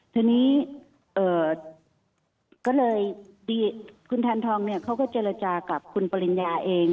ทีนี้ก็เลยคุณแทนทองเนี่ยเขาก็เจรจากับคุณปริญญาเอง